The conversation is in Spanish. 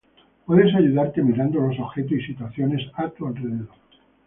puedes ayudarte mirando los objetos y situaciones a tu alrededor